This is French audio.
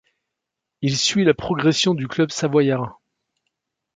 Il suit la progression du club savoyard.